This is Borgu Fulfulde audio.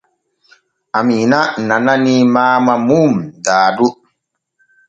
Amiina nananii Maama mum Dado.